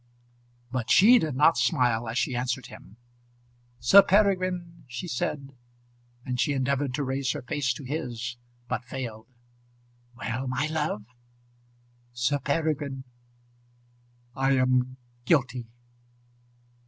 But she did not smile as she answered him. "Sir Peregrine," she said; and she endeavoured to raise her face to his but failed. "Well, my love." "Sir Peregrine, I am guilty."